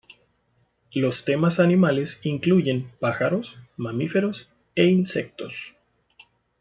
Los temas animales incluyen pájaros, mamíferos, e insectos.